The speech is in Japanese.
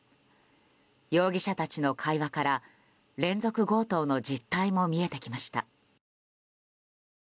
容疑者たちの会話から連続強盗の実態も見えてきました。